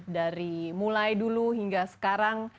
dari mulai dulu hingga sekarang